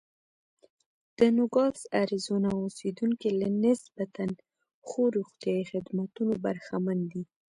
د نوګالس اریزونا اوسېدونکي له نسبتا ښو روغتیايي خدمتونو برخمن دي.